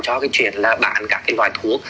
cho chuyện bán các loài thuốc